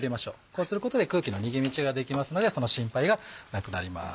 こうすることで空気の逃げ道ができますのでその心配がなくなります。